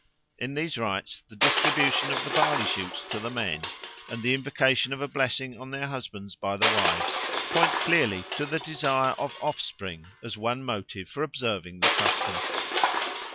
In these rites the distribution of the barley shoots to the men, and the invocation of a blessing on their husbands by the wives, point clearly to the desire of offspring as one motive for observing the custom.